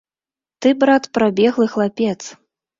Ты, брат, прабеглы хлапец.